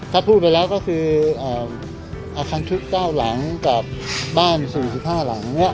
ถ้าพูดได้แล้วก็คืออธันทุกข์๙หลังกับบ้าน๔๕หลังนี้